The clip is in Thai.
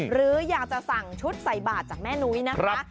หรืออยากจะสั่งชุดใส่บาทจากแม่นุ้ยนะคะ